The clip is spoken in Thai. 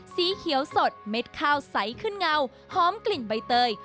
สีเขียวสดเม็ดข้าวใสขึ้นเงาหอมกลิ่นใบเตย